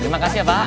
terima kasih ya pak